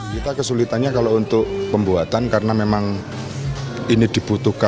kita kesulitannya kalau untuk pembuatan karena memang ini dibutuhkan